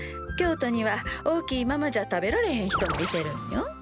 京都には大きいままじゃ食べられへん人もいてるんよ。